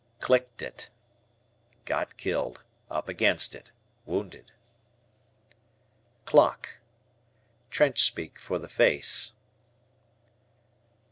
"Clicked it." Got killed; up against it; wounded. "Clock." "Trench" for the face.